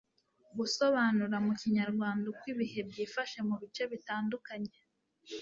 gusobanura mu kinyarwanda uko ibihe byifashe mu bice bitandukanye